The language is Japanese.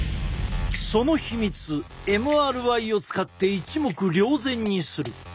その秘密ＭＲＩを使って一目瞭然にする。